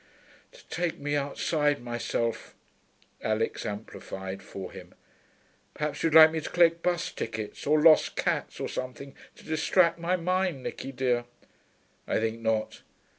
'To take me outside myself,' Alix amplified for him. 'Perhaps you'd like me to collect bus tickets or lost cats or something, to distract my mind, Nicky dear.' 'I think not.